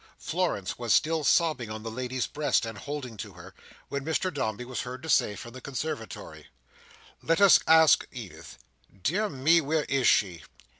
Florence was still sobbing on the lady's breast, and holding to her, when Mr Dombey was heard to say from the Conservatory: "Let us ask Edith. Dear me, where is she?"